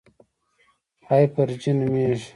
هایپرجي نومېږي.